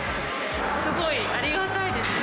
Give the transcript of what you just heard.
すごいありがたいですね。